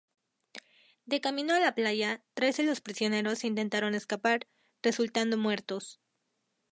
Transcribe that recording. De camino a la playa, tres de los prisioneros intentaron escapar, resultando muertos.